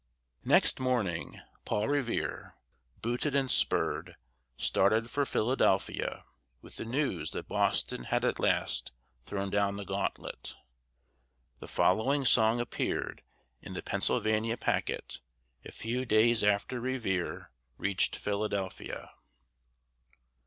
Next morning, Paul Revere, booted and spurred, started for Philadelphia with the news that Boston had at last thrown down the gauntlet. The following song appeared in the Pennsylvania Packet a few days after Revere reached Philadelphia.